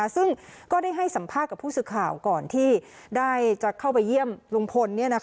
ซึ่งก็ได้ให้สัมภาษณ์กับผู้สื่อข่าวก่อนที่ได้จะเข้าไปเยี่ยมลุงพล